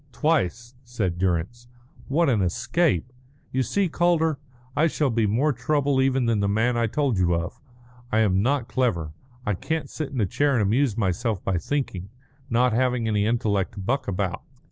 "Twice," said Durrance. "What an escape! You see, Calder, I shall be more trouble even than the man I told you of. I am not clever. I can't sit in a chair and amuse myself by thinking, not having any intellect to buck about.